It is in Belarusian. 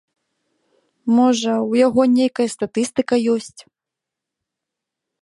Можа, у яго нейкая статыстыка ёсць.